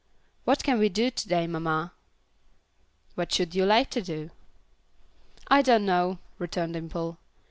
"What can we do to day, mamma?" "What should you like to do?" "I don't know," returned Dimple.